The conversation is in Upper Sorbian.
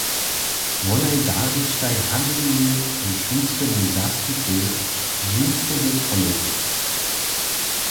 Wonaj darištaj Handrijej k šulskemu zastupej jeansowe cholowy.